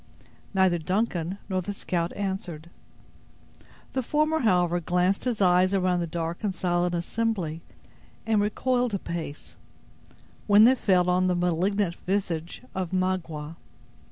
Neither Duncan nor the scout answered. The former, however, glanced his eyes around the dark and silent assembly, and recoiled a pace, when they fell on the malignant visage of Magua.